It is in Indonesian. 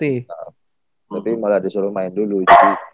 tapi malah disuruh main dulu jadi nahplah